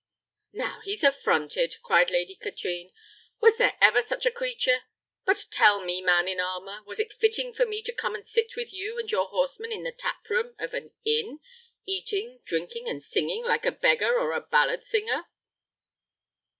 "Now he's affronted!" cried Lady Katrine. "Was there ever such a creature? But tell me, man in armour, was it fitting for me to come and sit with you and your horsemen in the tap room of an inn, eating, drinking, and singing, like a beggar or a ballad singer?"